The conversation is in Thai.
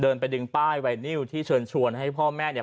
เดินไปดึงป้ายไวนิวที่เชิญชวนให้พ่อแม่เนี่ย